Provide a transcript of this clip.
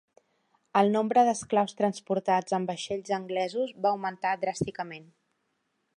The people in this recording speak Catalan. El nombre d'esclaus transportats en vaixells anglesos va augmentar dràsticament.